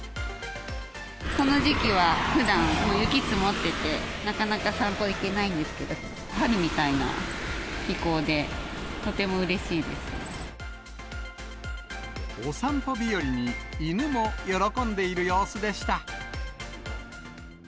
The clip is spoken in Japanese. この時期はふだん、雪積もってて、なかなか散歩行けないんですけど、春みたいな気候でとてもうれしいお散歩日和に、犬も喜んでいる様子でした。